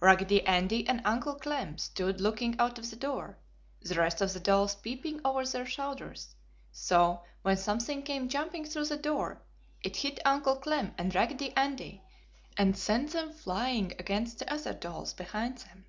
Raggedy Andy and Uncle Clem stood looking out of the door, the rest of the dolls peeping over their shoulders, so when something came jumping through the door, it hit Uncle Clem and Raggedy Andy and sent them flying against the other dolls behind them.